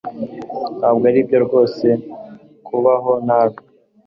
Ntabwo aribyo rwose, kubaho nabi